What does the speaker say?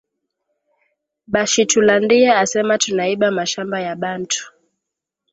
Bashitulandie asema tuna iba mashamba ya bantu